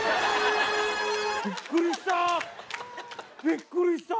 びっくりした！